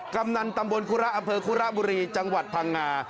กำนันตำบลคุระอำเภอคุระบุรีจังหวัดพังงา